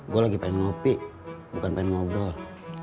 gue lagi pengen ngopi bukan pengen ngobrol